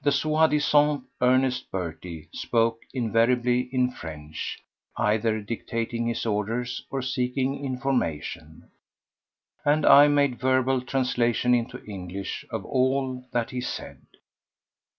The soi disant Ernest Berty spoke invariably in French, either dictating his orders or seeking information, and I made verbal translation into English of all that he said.